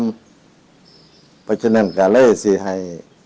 เพราะฉะนั้นก็เลยสิให้